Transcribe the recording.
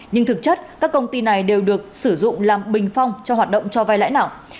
nhưng thực chất các công ty này đều được sử dụng làm bình phong cho hoạt động cho vai lãi nặng